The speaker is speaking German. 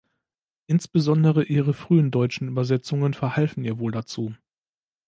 Insbesondere ihre frühen deutschen Übersetzungen verhalfen ihr wohl dazu.